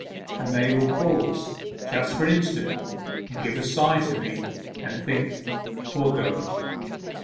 And they will pause just for an instant, and give a sigh to me, and think, "Poor girl!"